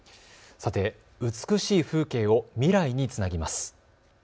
さて、美しい風景を未来につなぎます。